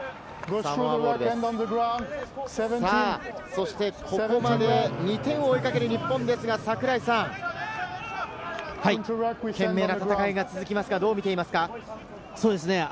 そして、ここまで２点を追いかける日本ですが、櫻井さん、懸命な戦いが続きますが、どう見ていますか？